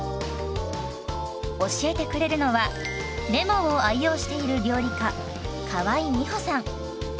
教えてくれるのはレモンを愛用している料理家河井美歩さん。